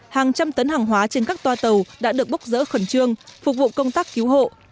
hàng trăm tấn hàng hóa trên các toa tàu đã được bốc rỡ khẩn trương phục vụ công tác cứu hộ